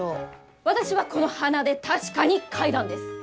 私はこの鼻で確かに嗅いだんです！